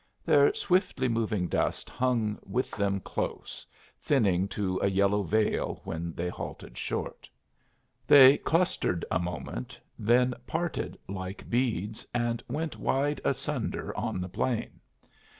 Their swiftly moving dust hung with them close, thinning to a yellow veil when they halted short. They clustered a moment, then parted like beads, and went wide asunder on the plain.